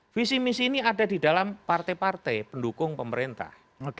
visi misi ini ada di dalam partai partai pendukung pemerintah